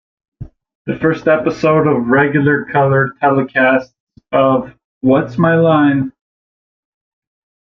The first episode of regular color telecasts of What's My Line?